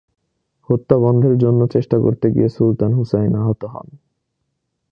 হত্যা বন্ধের জন্য চেষ্টা করতে গিয়ে সুলতান হুসাইন আহত হন।